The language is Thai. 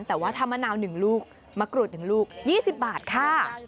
แต่ว่าถ้ามะนาว๑ลูกมะกรูด๑ลูก๒๐บาทค่ะ